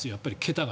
桁が。